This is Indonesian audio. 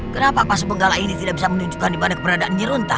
kenapa pasu penggala ini tidak bisa menunjukkan di mana keberadaan nirunta